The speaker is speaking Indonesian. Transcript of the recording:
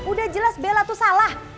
udah jelas bella tuh salah